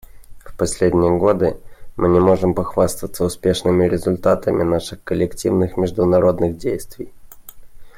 В последние годы мы не можем похвастаться успешными результатами наших коллективных международных действий.